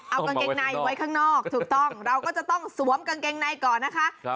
เอากางเกงในไว้ข้างนอกถูกต้องเราก็จะต้องสวมกางเกงในก่อนนะคะ